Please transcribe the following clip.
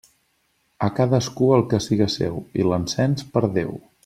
A cadascú el que siga seu i l'encens per Déu.